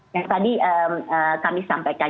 yang tadi kami sampaikan